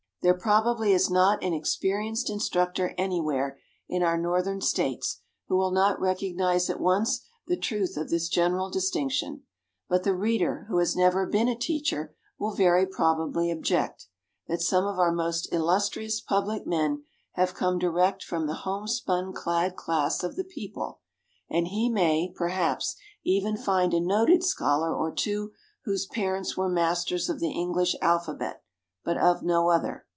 There probably is not an experienced instructor anywhere in our Northern States who will not recognize at once the truth of this general distinction. But the reader who has never been a teacher will very probably object, that some of our most illustrious public men have come direct from the homespun clad class of the people, and he may, perhaps, even find a noted scholar or two whose parents were masters of the English alphabet, but of no other.